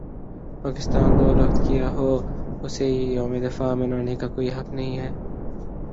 پاکستان دو لخت کیا ہو اسے یوم دفاع منانے کا کوئی حق نہیں ہے